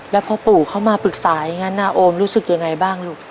แล้วพอปู่เขามาปรึกษาอย่างนั้นนะโอมรู้สึกยังไงบ้างลูก